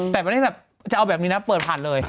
แต่จะเอาแบบนี้นะเปิดผันเลย